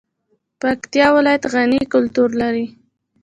پکتیا ولایت غني کلتور لري